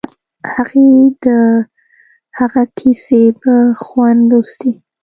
هغې د هغه کیسې په خوند لوستې